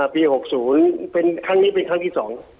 ปี๖๐ครั้งนี้เป็นครั้งที่๒